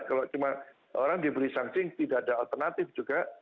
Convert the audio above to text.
kalau cuma orang diberi sanksi tidak ada alternatif juga